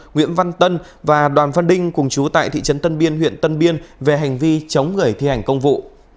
nguyễn văn tân và đoàn văn đinh cùng chú tại thị trấn tân biên huyện tân biên về hành vi chống người thi hành công vụ